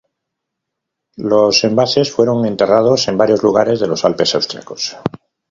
Los envases fueron enterrados en varios lugares de los Alpes austriacos.